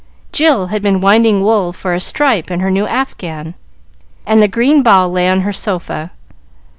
Jill had been winding wool for a stripe in her new afghan, and the green ball lay on her sofa.